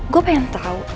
gua pengen tahu